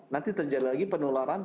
nanti terjadi lagi penularan